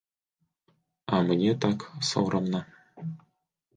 А мне так сорамна.